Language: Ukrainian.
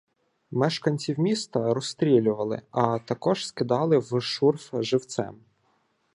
Мешканців міста розстрілювали, а також скидали в шурф живцем.